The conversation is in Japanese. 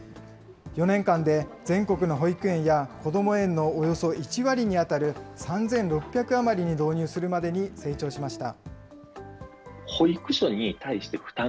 ４年間で全国の保育園やこども園のおよそ１割に当たる３６００余りに導入するまでに成長しました。